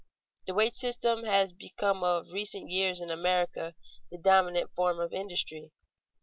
The wage system has become of recent years in America the dominant form of industry.